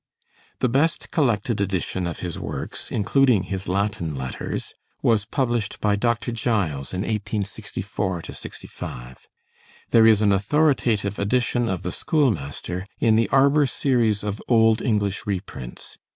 The best collected edition of his works, including his Latin letters, was published by Dr. Giles in 1864 5. There is an authoritative edition of the 'Schoolmaster' in the Arber Series of old English reprints.